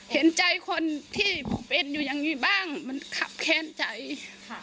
เห็นใจคนที่เป็นอยู่อย่างนี้บ้างมันขับแค้นใจค่ะ